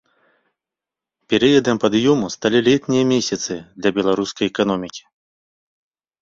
Перыядам пад'ёму сталі летнія месяцы для беларускай эканомікі.